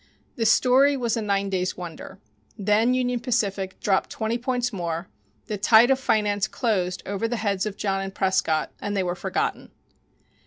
The story was a nine days' wonder. Then Union Pacific dropped twenty points more, the tide of finance closed over the heads of John and Prescott, and they were forgotten.